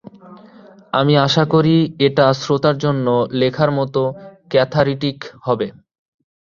আমি আশা করি এটা শ্রোতার জন্য লেখার মত ক্যাথারিটিক হবে।